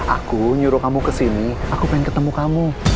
aku nyuruh kamu kesini aku pengen ketemu kamu